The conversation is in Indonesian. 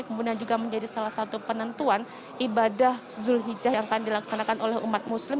kemudian juga menjadi salah satu penentuan ibadah zulhijjah yang akan dilaksanakan oleh umat muslim